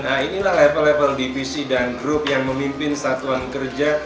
nah inilah level level divisi dan grup yang memimpin satuan kerja